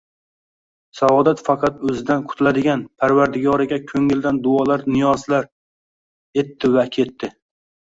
Saodat faqat O'zidan qutiladigan Parvardigoriga ko'ngildan duolar, niyozlar etdi va ketdi.